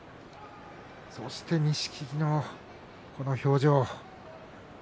そして錦木のこの表情。